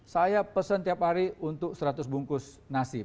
saya pesen tiap hari untuk seratus bungkus nasi